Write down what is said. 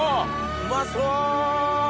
うまそう！